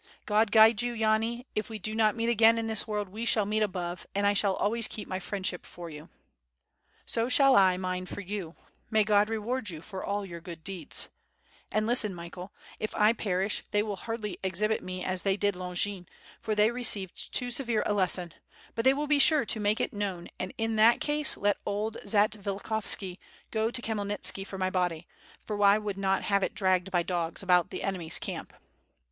God guide you, Yani, if we do not meet again in this world we shall meet above and I shall always keep my friendship for you." "So shall T mine for you, may God reward you for all ; our good deeds. And listen, Michael; if I perish they will hardly exhibit me as they did Longin, for they received too severe a lesson, but they will be sure to make it known, and in that WITH FIRE AND SWORD. ^^5 case let old Zatvilikhovski go to Khmyelnitski for my body, lor 1 would hot have it dragged by dogs about the enemy's camp."